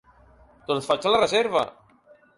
Doncs faig la reserva!